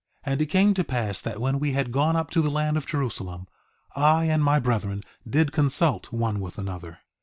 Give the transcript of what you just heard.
3:10 And it came to pass that when we had gone up to the land of Jerusalem, I and my brethren did consult one with another.